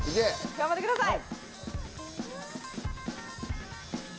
頑張ってください。